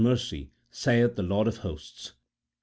mercy], saith the Lord of hosts."